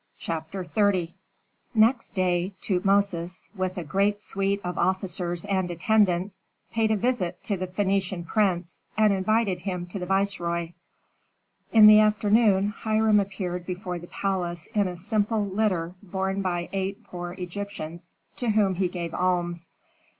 CHAPTER XXX Next day Tutmosis, with a great suite of officers and attendants, paid a visit to the Phœnician prince, and invited him to the viceroy. In the afternoon Hiram appeared before the palace in a simple litter borne by eight poor Egyptians to whom he gave alms.